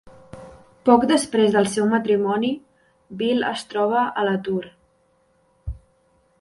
Poc després del seu matrimoni, Bill es troba a l'atur.